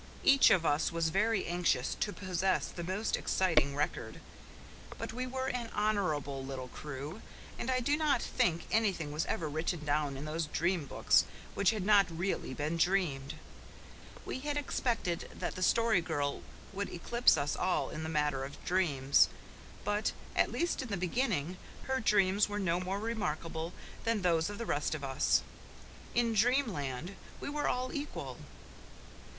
Each of us was very anxious to possess the most exciting record; but we were an honourable little crew, and I do not think anything was ever written down in those dream books which had not really been dreamed. We had expected that the Story Girl would eclipse us all in the matter of dreams; but, at least in the beginning, her dreams were no more remarkable than those of the rest of us. In dreamland we were all equal.